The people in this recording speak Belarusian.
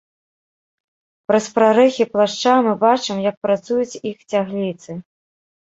Праз прарэхі плашча мы бачым, як працуюць іх цягліцы.